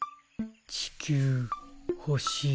地球ほしい。